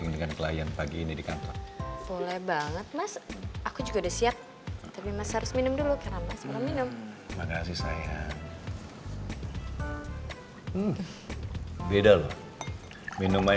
dah mau jalan